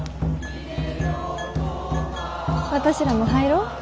私らも入ろう。